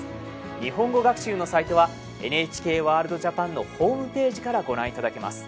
日本語学習のサイトはＮＨＫワールドＪＡＰＡＮのホームページからご覧いただけます。